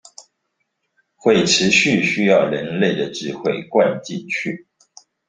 會持續需要人類的智慧灌進去